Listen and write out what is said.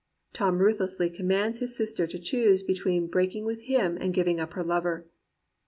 Tom ruth lessly commands his sister to choose between break ing with him and giving up her lover.